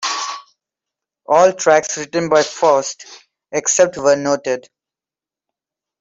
All tracks written by Faust, except where noted.